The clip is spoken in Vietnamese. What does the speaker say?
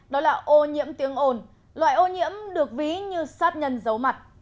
đó là ô nhiễm tiếng ồn loại ô nhiễm được ví như sát nhân giấu mặt